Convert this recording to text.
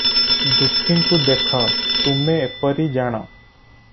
ଦୁଃଖୀଙ୍କୁ ଦେଖ ତୁମେ ଏପରି ଜାଣ ।